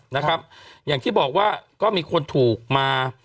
นะครับอย่างที่บอกว่าก็มีคนถูกมา